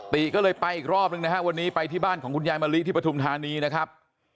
ติก็เลยไปอีกรอบหนึ่งนะฮะวันนี้ไปที่บ้านของคุณยายมะลิที่ปฐุมธานีนะครับ